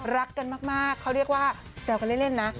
รักกันมากเขาเรียกว่าแซวกันเล่นนะ